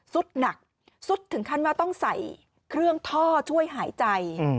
สุดหนักสุดถึงขั้นว่าต้องใส่เครื่องท่อช่วยหายใจ